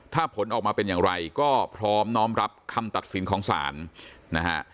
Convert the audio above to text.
ถ้าผลออกมาเป็นอย่างไรก็พร้อมน้อมรับคำตัดสินของศาลนะฮะ